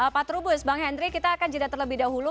pak trubus bang henry kita akan jeda terlebih dahulu